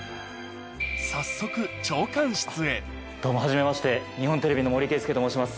早速どうもはじめまして日本テレビの森圭介と申します。